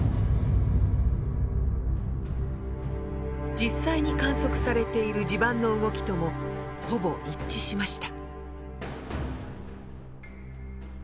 実際に観測されている地盤の動きともほぼ一致しました。